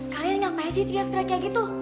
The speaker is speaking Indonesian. kalian ngapain sih teriak teriak kayak gitu